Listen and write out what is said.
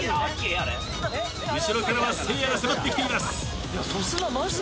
後ろからはせいやが迫ってきています。